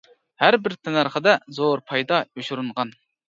ھەر بىر تەننەرخىدە زور پايدا يوشۇرۇنغان.